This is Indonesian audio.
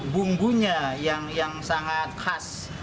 bumbunya yang sangat khas